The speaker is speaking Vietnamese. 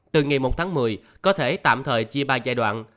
từ ngày một tháng một mươi có thể tạm thời chia ba giai đoạn